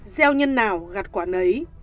gieo nhân nào gặt quả nấy